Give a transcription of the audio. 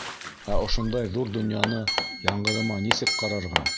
Ә ошондай ҙур донъяны яңғыҙыма нисек ҡарарға?